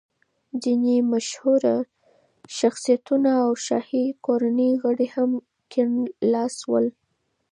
ځینې مشهوره شخصیتونه او شاهي کورنۍ غړي هم کیڼ لاسي ول.